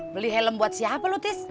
beli helm buat siapa lu tis